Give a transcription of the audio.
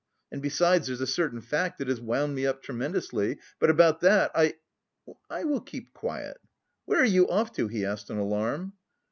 And besides, there's a certain fact that has wound me up tremendously, but about that I... will keep quiet. Where are you off to?" he asked in alarm.